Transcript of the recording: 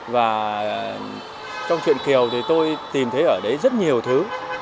và trong truyền kiều thì tôi tìm thấy ở đấy rất nhiều thứ